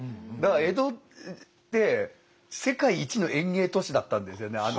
だから江戸って世界一の園芸都市だったんですよね